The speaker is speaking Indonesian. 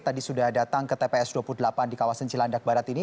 tadi sudah datang ke tps dua puluh delapan di kawasan cilandak barat ini